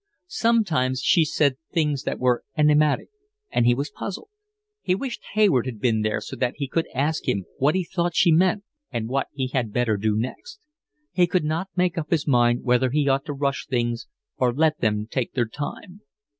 Sometimes she said things that were enigmatic, and he was puzzled. He wished Hayward had been there so that he could ask him what he thought she meant, and what he had better do next. He could not make up his mind whether he ought to rush things or let them take their time.